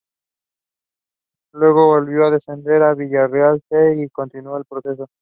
Luego volvió a defender el Villarreal "C" y continuó el proceso.